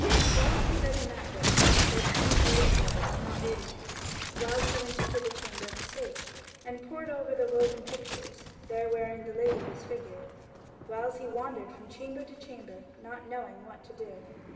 Whiles he read in that book, or turned the leaves over, not reading it; whiles he went into the Chamber of Estate, and pored over the woven pictures there wherein the Lady was figured. Whiles he wandered from chamber to chamber, not knowing what to do.